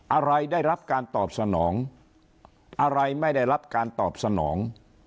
อะไรได้รับการตอบสนองอะไรไม่ได้รับการตอบสนอง